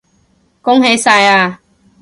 恭喜晒呀